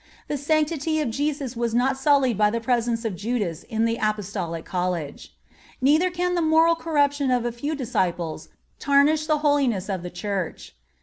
The sanctity of Jesus was not sullied by the presence of Judas in the Apostolic College. Neither can the moral corruption of a few disciples tarnish the holiness of the Church.